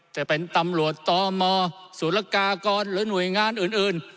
จะเป็นตำรวจตมสุรกากรหรือหน่วยงานอื่น